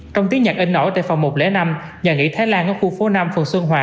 trong tiếng nhạc in nổi tại phòng một trăm linh năm nhà nghỉ thái lan ở khu phố năm phường xuân hòa